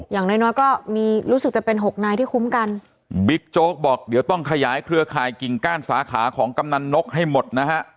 อย่างน้อยน้อยก็มีรู้สึกจะเป็นหกนายที่คุ้มกันบิ๊กโจ๊กบอกเดี๋ยวต้องขยายเครือข่ายกิ่งก้านสาขาของกำนันนกให้หมดนะฮะ